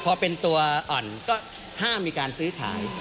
พอเป็นตัวอ่อนก็ห้ามมีการซื้อขาย